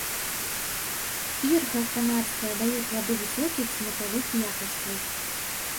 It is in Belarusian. Ірга канадская дае плады высокіх смакавых якасцяў.